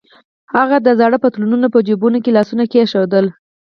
هغه د زاړه پتلون په جبونو کې لاسونه کېښودل.